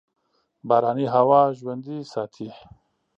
باراني هوا ژوندي ساتي.